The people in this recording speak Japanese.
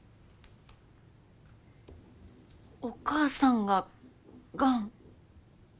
お母さんががん？